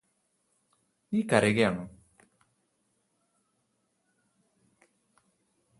നീ കരയുകയാണോ